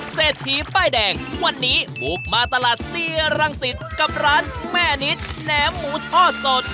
เศรษฐีป้ายแดงวันนี้บุกมาตลาดเซียรังสิตกับร้านแม่นิดแหนมหมูทอดสด